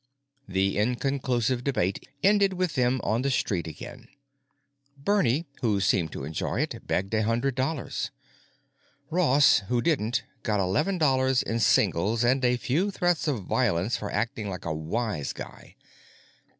The inconclusive debate ended with them on the street again. Bernie, who seemed to enjoy it, begged a hundred dollars. Ross, who didn't, got eleven dollars in singles and a few threats of violence for acting like a wise guy.